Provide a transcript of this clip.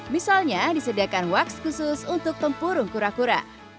misalnya disediakan waks khusus untuk tempurung kura kura